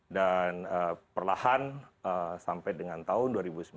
dan perlahan sampai dengan tahun dua ribu sembilan belas